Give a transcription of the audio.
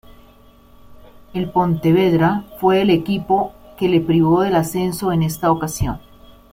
El Pontevedra fue el equipo que le privó del ascenso en esta ocasión.